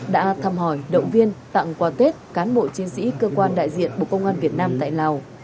đã thăm hỏi động viên tặng quà tết cán bộ chiến sĩ cơ quan đại diện bộ công an việt nam tại lào